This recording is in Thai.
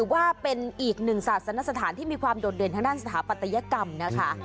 ว่าเป็นอีกหนึ่งศาสนสถานที่มีความโดดเด่นทางด้านสถาปัตยกรรมนะคะ